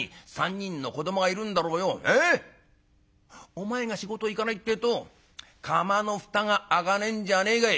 お前が仕事行かないってえと釜の蓋が開かねえんじゃねえかい」。